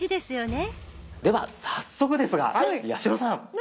では早速ですが八代さん。何？